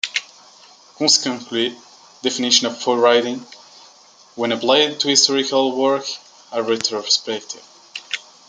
Consequently, definitions of food writing when applied to historical works are retrospective.